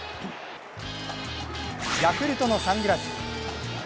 ヤクルトのサングラス。